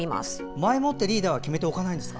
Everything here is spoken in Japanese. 前もってリーダーは決めておかないんですか？